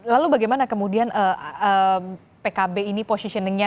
lalu bagaimana kemudian pkb ini positioningnya